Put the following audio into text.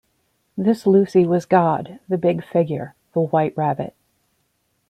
This Lucy was God, the Big Figure, the White Rabbit.